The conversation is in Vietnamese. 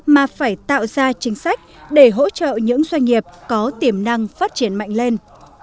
mà phải tạo ra chính sách để hỗ trợ những doanh nghiệp có tiềm năng phát triển mạnh lên